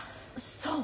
そう？